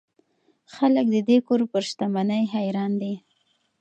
خلک د دې کور پر شتمنۍ حیران دي.